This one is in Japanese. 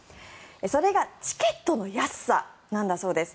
それがチケットの安さなんだそうです。